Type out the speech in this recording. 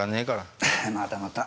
またまた。